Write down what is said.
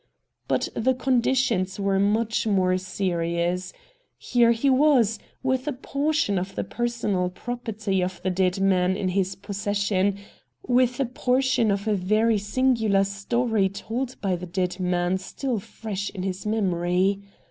But the conditions were much more serious. Here he was, with a portion of the personal property of the dead man in his possession, with a portion of a very singular i68 RED DIAMONDS story told by the dead man still fresh in his memory.